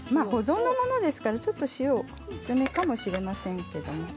保存のものですから、お塩がちょっときつめかもしれません。